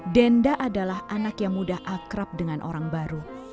denda adalah anak yang mudah akrab dengan orang baru